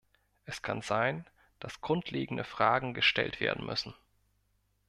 Es kann sein, dass grundlegende Fragen gestellt werden müssen.